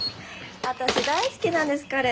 私大好きなんです彼。